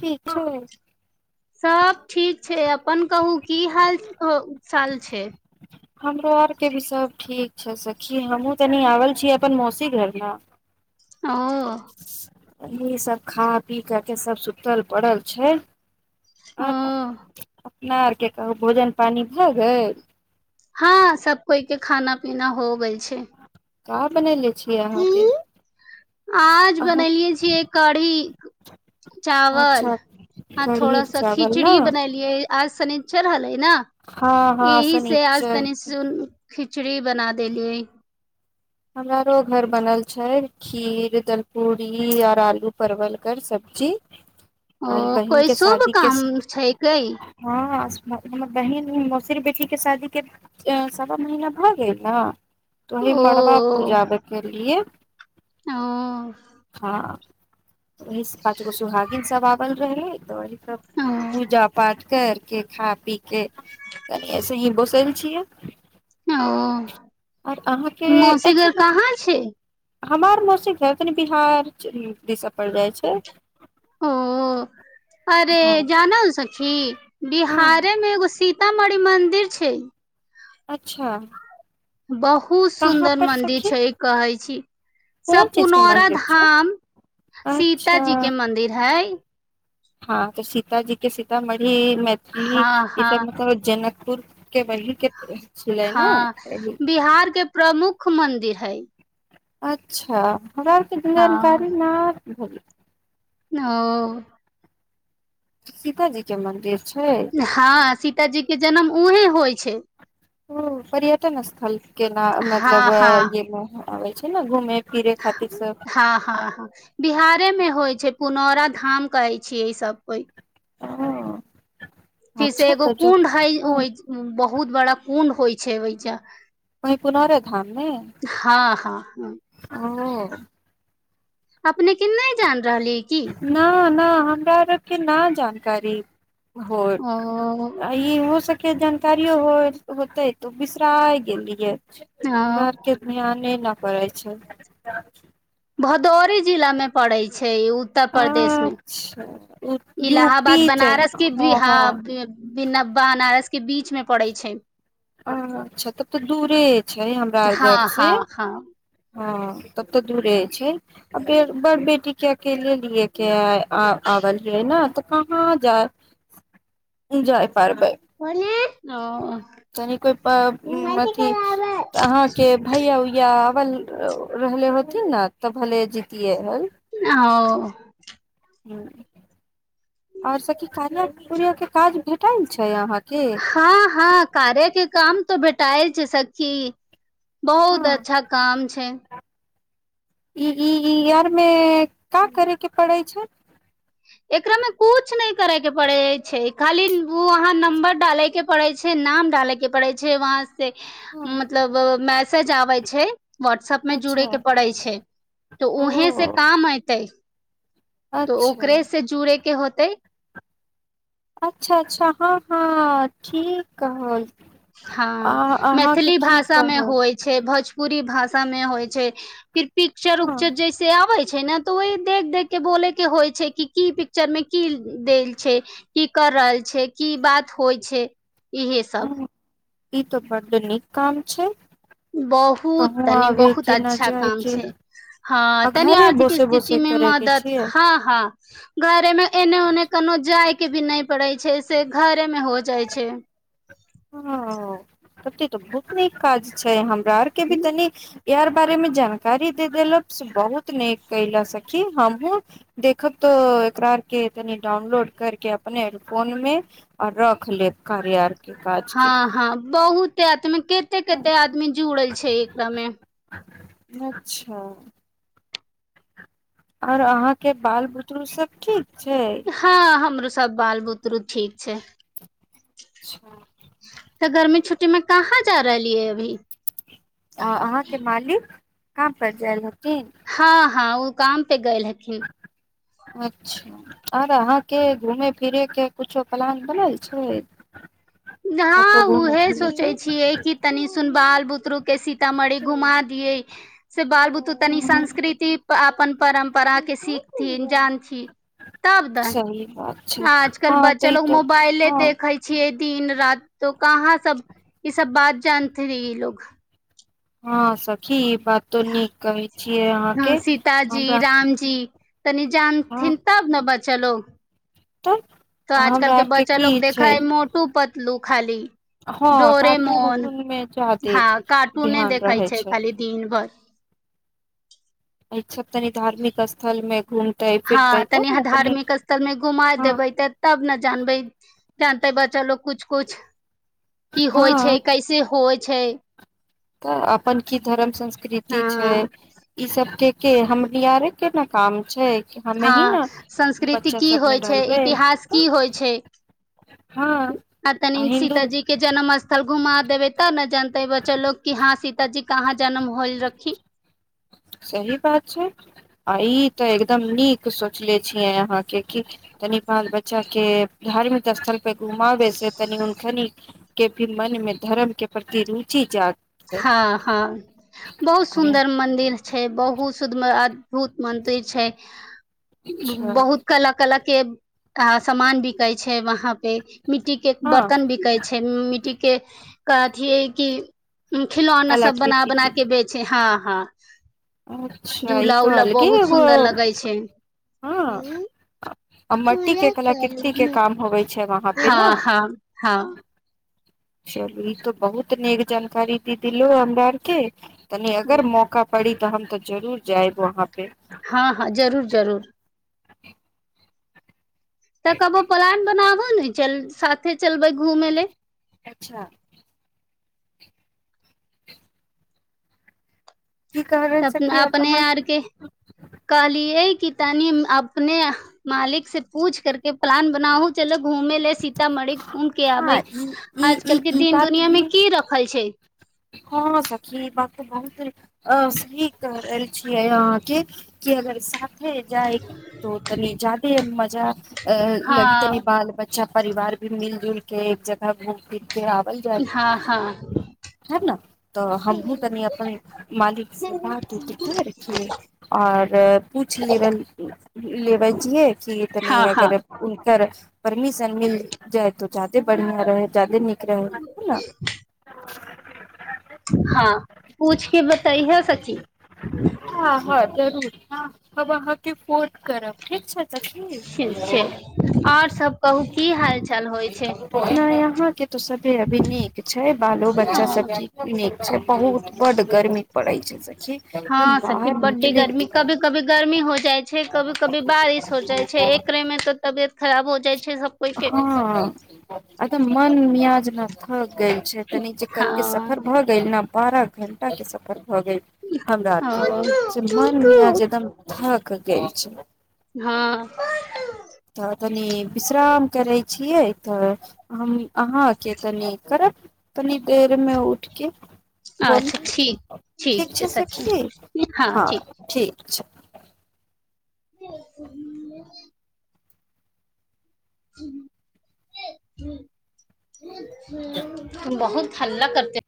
ठीक छै सब ठीक छै अपन कहू की हाल साल छै हमरो आरके भी सब ठीक छै सखी हमहहुँ तनी आबल छीै अपन मौसी घरमे ओ यही सब खा पी क के सब सुतल पड़ल छै हँ न आर के कहू भोजन पानी भए गेल हँ सब कोइ के खाना पीना हो गै छै का बनलै हुँ आज अहाँ बनेलियए छियै कढ़ी चावल अच्छा आ कढ़ी थोड़ा सा चावल ने खिचड़ी बनेलियए आज सनिच्चर हलै न हँ हँ यह से आज शनिचर तनि सुन खिचड़ी बना देलियै हमरो घर बनल छै खीर तर पूरीी आऔर आलू परवल कर सब्जी ओ आज बहिन कोइ के शुभ शादी के स काम छै कय हँ हमर बहिन मौसीर बेटीक के शादी के सवा महीना भऽ गेल ने त ओहि ओ मरबा पूजा के लिए ओ इ पचगो सुहागिन सब आबल रहै दही सब ओ पूजा पाठ कर के खा पी के कनि ऐसे ही बोसल छियै ओ आओर अहाँके मौसीघर अच्छा कहाँ छै हमार मौसी कें तनि बिहारदिसन ओ अरे हँ जानल सखी हँ बिहारे मे एगो सीत सीतामढ़ी मन्दिर छै अच्छा बहुत कहाँ सुन्दर पर मंदिर सखी छै कहै छी कोन सब चीज के पुनौरा मंदिर छै धाम सीतााजी के मंदिर है हाँ सीताजी कें सीतामढ़ी इ इ मैथिली हँ ई हँ सब मतलब जनक कुर्क के वहि के छलै हँ ने बिहार के प्रमुख मुख्य मन्दिर हइ अच्छा हमरा आर कें जानकारी ना हय भ गेल ओ सीताजी के मन्दिर छै हँ सीतााजी के जन्म उह है होइ छै ओ पर्यटन स्थल केना हँ मतलब हँ य आबै छै ने घूमे फिरे खातिर सब हँ हँ हँ बिहारेमे होइ छै पुनौरा धाम कहै छीियै ई सब कोइ अच्छा फिर से एगो तऽ जो कुंड हइ वही बहुत बहुत बड़ा कुण्ड होइ छै ओहि छै ओहि पुनर धाम ने हँ हँ ओ अपने कें नै जानत रहली किी नहि हमरा आर के न जानकारी हो ओ अ ई हो सक के जानकारियो हो होते तऽ उ बिसरा गेलिये हमारा हँ आर कें ध्यान न करै छै भदौरी जिला मे पड़ै छै उत्तर प्रदेश मे अच्छा यू पी इलाहाबाद छै बनारस के हँ बिहा हँ बिना बनारस के बीच मे पड़ै छै अच्छा तब तऽ दूरे छै हमरा आर हँ घरसँ हँ हँ हँ तब तऽ दूरे छै आ फेर बड़ बेटी के अकेले लिए क आबल रहै ने हँ हँ जाए जाए होंले अ तनि कोइ अथी अहाँके भैया उया रहले होतीन न तऽ भले जीतिेय हल ओ हँ आऔर सखी कार्या उरया के काज भेटल छै अहाँ कें हँ हँ कार्य के काम तऽ भटाए जे सखी बहुत हँ। अच्छा काम छै ई इ यारमे का करीके पड़ै छोड़ एकरा मे कुछ नहि करे के पड़े छै खाली वहाँ नंबर डाले के पड़े छै नाम डाले के पड़े छै वहां से हँ। मतलब मै सजाबै छै व्हाट्सप में जुड़े अच्छा के पड़ै छै तऽ ओ उहें से काम एऐतै अच्छा ओकरे से जूड़े के होत त अच्छा अच्छा हँ हँ ठीक कहलिय हँ मैथिली भाषामे कहल होइ छै भोजपुर पूरी भाषा मे होइ छै फिर पिकचर हँ उकचर जैसे आबै छै छै ने तऽ ओहि देख देख के बोले के होइ छै कि की पिक्चर मे की देल छै की कर रहल छै की बात होइ छै इहे सब हँ ई त बड्ड नीक काम छै बहुत कहूँ तनि आबे बहुत के न अच्छा जाय काम के छै हँ आ तनी घरे आर्थिक बोसे बोसे स्थिति मे करे के मदद छियै हँ हँ घरे मे एने ओने कोनो जाय के भी नहि पड़ै छै से घरे मे हो जाइ छै हाँ ओते तऽ बहुत नीक काज छै हम हमारा आर कें तनी य आर बारे में जानकारी दे देल से बहुत न कले सखी हमहहु देखब तो एकरार के तनि डाउनलोड कर के अपने फोन मे आ रख लेब कार्य आर के काज के हँ हँ बहुत तत्मिक कते कते आदमी जुड़ल छै एकरा मे अच्छा आऔर अहां के बाल बुतरु सब ठीक छै हँ हमरो सब बाल बुतरु ठीक छै अचछा तऽ गर्मी छुट्टी मे कहाँ जा रहली है अभी आ अहाँके मालिक का परड़ जा हँ हँ ओ काम पे गेल हथििन अच्छा आर अहाँके घूमे फिरेके किछो प्लान बनल छै ना कतौ घूमे उहे फिरे के सोचै छियै कि तनि सुनबालु के सीतामढ़ी घुमा दिये से बाल बूतो तनी ह संस्कृति अपन परम्परा के सीखथिन जानथिन सही बात छै आज कल हँ बच्चा तऽ ई लोग तऽ मोबाइले हँ देखै छी दिन रात त कहाँ सब ई सब बात जानते रहे ई लोग हँ सखी बातो नीक कहै छियै अहाँके हमरा तनी हँ जानथिन तब ने बच चलू तऽ तऽ आजकल हमरा के आरके बच्चा की लोग देखै छै ह मोटू पतलू खाली हँ कार्टून डोरेमोन उर्टून मे जादे हँ कार्टूने ध्यान देखै रहै छै खाली दिन भर अय तनी धार्मिक स्थल मे गुण हँ तनि अहाँ धार्मिक स्थल मे घुमा हँ देबै तऽ तब ने जानबै जानतेै बच्चा लोको कुछ कुछ की होइ हँ छै कैसे होइ छै तऽ अपन की धर्म संस्कृति छै हँ ई सबके के हम आरे केना काम छै कि हमे ही हँ ने संस्कृति बच्चा की सबमे होइ छै डालबै इतिहास की तऽ होइ छै हँ आ तनि सीतााजी के जन्म स्थ सब घुमा देबे तब ने जानते ब्चलोग की हाँ सीता जी कहाँ जनम होल रखी सही बात छै आ इ ते एकदम नीक सोचले छीिय अहां के की तनि बाल बच्चा के धार्मिक स्थल के घुमाबै से तनि उनके न के भी मन में धर्म के प्रति रुचि जाग हँ हँ बहुत सुंदर मंदिर छै बहुत शुद्द अद्भुत मंदिर छै अच्छा बहुत कला कला के अ सामान बिकै छै वहाँ पे मिट्टी के हँ बर्तन बिके छै मिट्टी के कथिय कि खिलौना सब बना बना के बेच हँ हँ अच्छा ई झूला तऽ उला अलगे बहुत ओ सुन्दर लगै छै हँ आ मट्टी के कलाकृति के काम होवे छै वह हँ हँ हँ चलू ई तो बहुत नीक जानकारी दी दो हमरा आरके तनी अगर मौका परी तऽ हम तो जरूर जाएब वहाँ पे हँ हँ जरूर जरूर तऽ कबो प्लान बनाबोथ नै चल साथे चलबै घूमे ल अच्छा की कह रहल त सखी अब अपने अहाँ आर के कहलियै क तनि अपने मालिक से पूछ करके प्लान बनाउ चलो घूमे ले सीतामढ़ी घूम के हँ आबे ई ई ई आजकल के ई दिन बात दुनिया में भी की रखल छै हँ सखी बक बहुत आ से की एल छियै अहाँके के अगर साथ जाइ त तनी जादे मजा अ लगी तनी हँ बाल बच्च अच्छा परिवार भी मिलजुल के एक जगह घूम फिर के हँ हँ तब ने तऽ हमहुँ कनि अपन मालिक से बात उत कर रखिय आओर पूछ लेबन लेबै छियए चलू तनि हँ हँ अगर र परमिशन मिल जाय त जादे बढ़िया रह जादे नीक ने [inaudible] हाँ पूछिके बतैह सखी हँ हँ जरूर हमब अहाँके फोन करब ठीक छै सखी ठीक छै आओर सब कहू की हाल चाल होइ छै हँ तो सबे अभी नीक छै बालो बच्चा सबी नीक छै परहि एकदम हँ सखी बाहर बड्डी निकले गर्मी कभी कभी गर्मी हो जाइ छै कभी कभी बारिश हो जाइ छै एकरे मे तऽ तबियत खराब हो जाइ छै सब कोइ के हँ अतऽ मन पियाज ला ऽ गेल छै तनी जे कलके हँ सफर भऽ गेल ने बारह घणटाके के सफर भ गेल हमरा आर के से मनमे आय ओ जें एकदम धक कतह जाय छि हाँ कनी विश्राम करे छी ये तऽ हम अहाँ कें तनि करत तनी देरमे उठके फोल ठीक छै सखी हँ ठीक अच्छा [unintelligible] ह ह त बहुत हल्ला करतेय